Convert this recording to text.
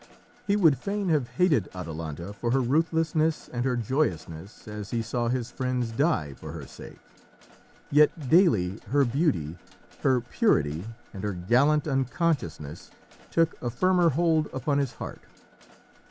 He would fain have hated Atalanta for her ruthlessness and her joyousness as he saw his friends die for her sake, yet daily her beauty, her purity, and her gallant unconsciousness took a firmer hold upon his heart.